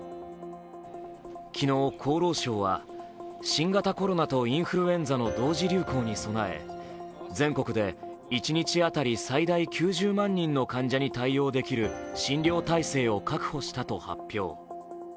昨日、厚労省は新型コロナとインフルエンザの同時流行に備え、全国で一日当たり最大９０万人の患者に対応できる診療体制を確保したと発表。